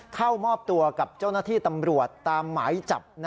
เข้ามอบตัวกับเจ้าหน้าที่ตำรวจตามหมายจับ